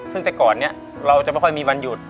ซึ่งแต่ก่อนนี้เราจะไม่ค่อยมีวันหยุด